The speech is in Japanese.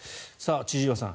千々岩さん